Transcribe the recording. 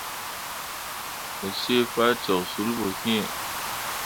Mo cẽe fah cok sul ɓo iŋ.